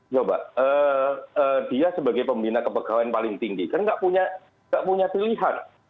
coba dia sebagai pembina kepegawaian paling tinggi kan nggak punya pilihan